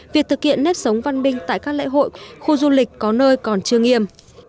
việc thực hiện nếp sống văn minh tại các lễ hội khu du lịch có nơi còn chưa nghiêm